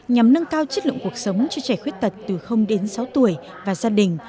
nhằm nâng cao chất lượng cuộc sống cho trẻ khuyết tật từ đến sáu tuổi và gia đình